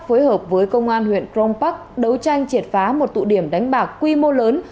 phối hợp với công an huyện crong park đấu tranh triệt phá một tụ điểm đánh bạc quy mô lớn